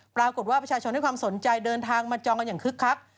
ประชาชนให้ความสนใจเดินทางมาจองกันอย่างคึกคัก